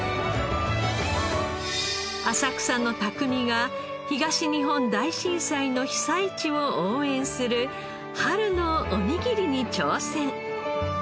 浅草の匠が東日本大震災の被災地を応援する春のおにぎりに挑戦。